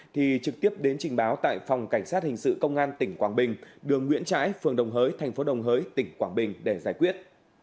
thì trực tiếp đến trình báo tại phòng cảnh sát hình sự công an tỉnh quảng bình đường nguyễn trãi phường đồng hới thành phố đồng hới tỉnh quảng bình để giải quyết